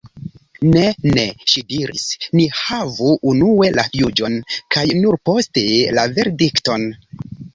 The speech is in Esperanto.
"Ne, ne," ŝi diris, "ni havu unue la juĝon, kaj nur poste la verdikton."